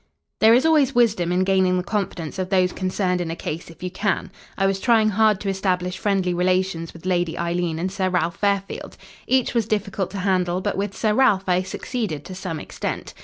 "There is always wisdom in gaining the confidence of those concerned in a case if you can. I was trying hard to establish friendly relations with Lady Eileen and Sir Ralph Fairfield. Each was difficult to handle, but with Sir Ralph I succeeded to some extent.